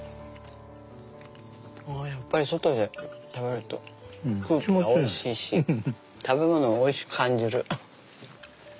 やっぱり外で食べると空気がおいしいし食べ物をおいしく感じる。